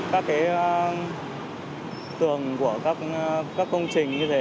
các cái tường của các công trình như thế